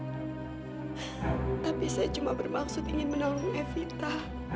tapi saya cuma bermaksud ingin menolong evita